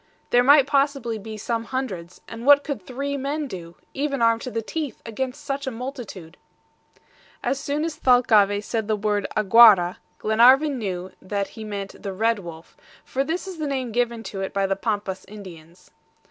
There might possibly be some hundreds, and what could three men do, even armed to the teeth, against such a multitude? As soon as Thalcave said the word AGUARA, Glenarvan knew that he meant the red wolf, for this is the name given to it by the Pampas Indians.